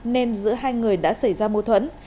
nên giữa hai người đã xảy ra mô thuẫn